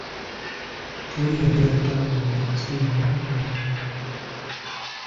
Teri yali atambudde nsi yonna n'agimalako.